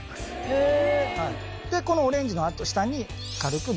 へえ！